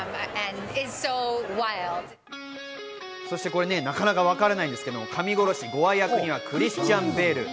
そして、なかなかわからないんですけれども神殺しゴア役にはクリスチャン・ベール。